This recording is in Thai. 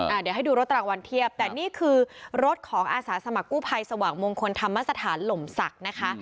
เดี๋ยวให้ดูรถรางวัลเทียบแต่นี่คือรถของอาสาสมัครกู้ภัยสว่างมงคลธรรมสถานหล่มศักดิ์นะคะ